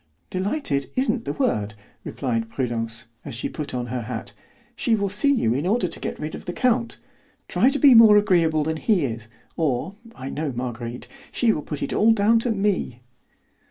"Delighted isn't the word," replied Prudence, as she put on her hat and shawl. "She will see you in order to get rid of the count. Try to be more agreeable than he is, or (I know Marguerite) she will put it all down to me."